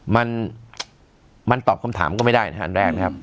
มันมันตอบคำถามก็ไม่ได้นะครับอันแรกนะครับ